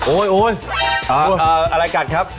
โอ๊ยอะไรกัดครับ